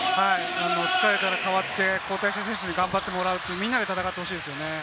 疲れから代わって、交代した選手に頑張ってもらう、みんなで戦ってほしいですね。